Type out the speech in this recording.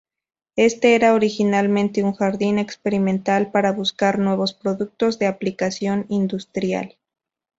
Este era originalmente un jardín experimental para buscar nuevos productos de aplicación industrial.